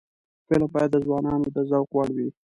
فلم باید د ځوانانو د ذوق وړ وي